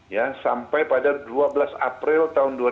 ya sampai pada dua belas april dua ribu dua puluh